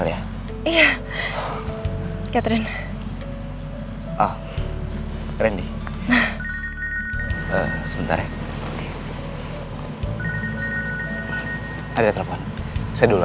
ternyata cowo itu dari indonesia